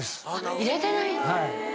入れてないんだ！